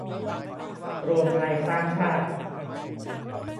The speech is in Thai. รวมไทยสร้างชาติ